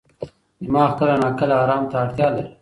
دماغ کله ناکله ارام ته اړتیا لري.